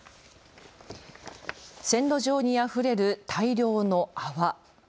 線路上にあふれる大量の泡。